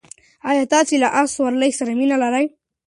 ایا تاسې له اس سورلۍ سره مینه لرئ؟